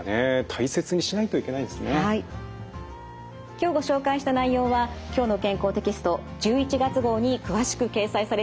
今日ご紹介した内容は「きょうの健康」テキスト１１月号に詳しく掲載されています。